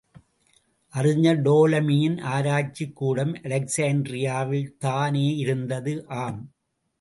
அறிஞர் டோலமியின் ஆராய்ச்சிக்கூடம் அலெக்சாண்டிரியாவில்தானே இருந்தது? ஆம்!